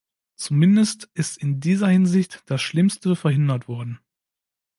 Zumindest ist in dieser Hinsicht das Schlimmste verhindert worden.